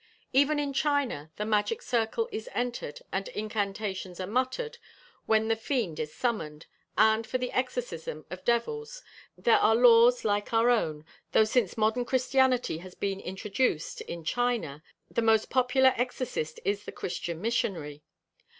Even in China, the magic circle is entered and incantations are muttered when the fiend is summoned; and for the exorcism of devils there are laws like our own though since modern Christianity has been introduced in China the most popular exorcist is the Christian missionary.